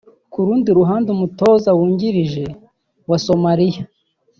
Ku rundi ruhande umutoza wungirije wa Somalia